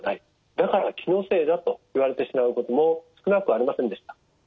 だから気のせいだと言われてしまうことも少なくありませんでした。